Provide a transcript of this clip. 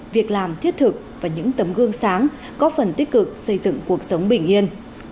việc làm thiết thực và những tấm gương sáng có phần tích cực xây dựng cuộc sống bình yên